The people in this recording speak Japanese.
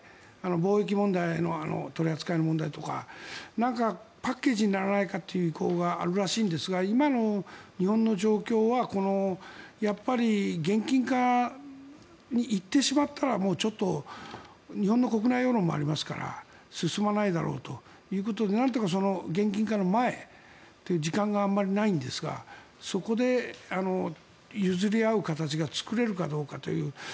貿易問題の取り扱いの問題とかパッケージにならないかっていう意向があるらしいんですが今の日本の状況はやっぱり現金化に行ってしまったらちょっと日本の国内世論もありますから進まないだろうということでなんとか現金化の前で時間があまりないんですがそこで譲り合う形が作れるかどうかという。